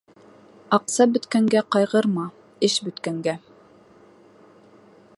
Аҡса бөткәнгә ҡайғырма, эш бөткәнгә